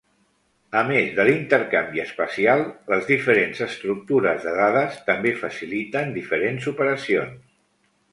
A més de l'intercanvi espacial, les diferents estructures de dades també faciliten diferents operacions.